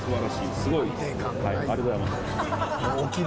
ありがとうございます。